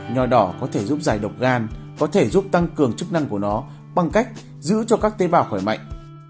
nhỏ đỏ có thể giúp giải độc gan có thể giúp tăng cường chức năng của nó bằng cách giữ cho các tế bào khỏe mạnh